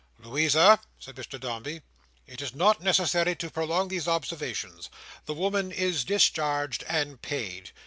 "Louisa!" said Mr Dombey. "It is not necessary to prolong these observations. The woman is discharged and paid.